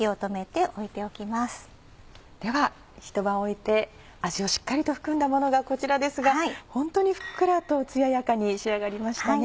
ではひと晩置いて味をしっかりと含んだものがこちらですがホントにふっくらとつややかに仕上がりましたね。